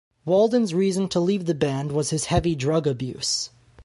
Walden's reason to leave the band was his heavy drug abuse.